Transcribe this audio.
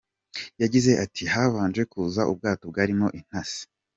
Yagize ati “Habanje kuza ubwato bwarimo intasi.